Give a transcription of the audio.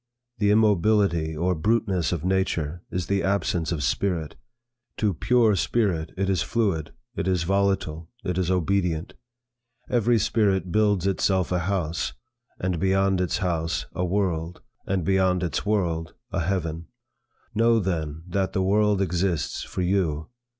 The immobility or bruteness of nature, is the absence of spirit; to pure spirit, it is fluid, it is volatile, it is obedient. Every spirit builds itself a house; and beyond its house a world; and beyond its world, a heaven. Know then, that the world exists for you.